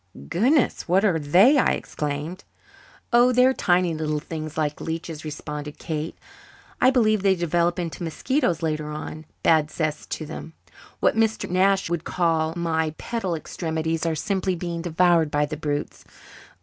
"Goodness, what are they?" I exclaimed. "Oh, they're tiny little things like leeches," responded Kate. "I believe they develop into mosquitoes later on, bad 'cess to them. What Mr. Nash would call my pedal extremities are simply being devoured by the brutes.